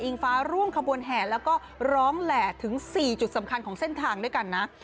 ฟ้าร่วมขบวนแห่แล้วก็ร้องแหล่ถึง๔จุดสำคัญของเส้นทางด้วยกันนะ